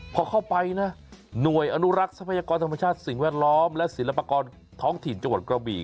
พอเข้าไปนะหน่วยอนุรักษ์ทรัพยากรธรรมชาติสิ่งแวดล้อมและศิลปากรท้องถิ่นจังหวัดกระบี่